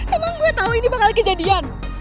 emang gue tahu ini bakal kejadian